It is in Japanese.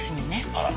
「あら。